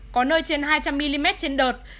có nơi trên hai trăm linh mm trên đợt